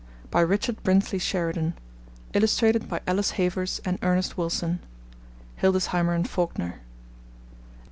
By Richard Brinsley Sheridan. Illustrated by Alice Havers and Ernest Wilson. (Hildesheimer and Faulkner.)